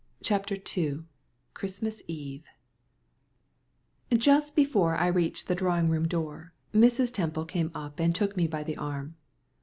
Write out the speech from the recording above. CHAPTER II CHRISTMAS EVE Just before I reached the drawing room door, Mrs. Temple came up and took me by the arm.